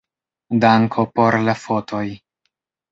Danko por la fotoj.